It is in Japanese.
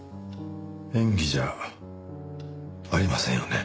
演技じゃありませんよね？